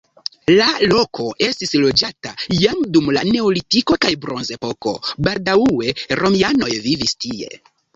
La loko estis loĝata jam dum la neolitiko kaj bronzepoko, baldaŭe romianoj vivis tie.